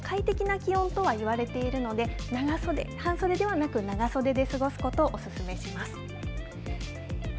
２０度前後は快適な気温とは言われているので半袖ではなく長袖で過ごすことをおすすめします。